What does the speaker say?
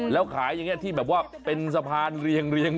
แล้วขายที่แบบว่าเป็นสะพานเรียงเลยนะ